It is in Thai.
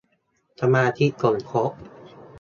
สมาชิกสมทบ